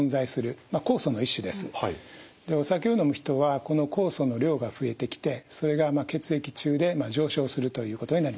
お酒を飲む人はこの酵素の量が増えてきてそれが血液中で上昇するということになります。